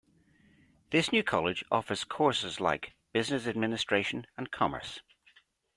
This new college offers courses like Business Administration and Commerce.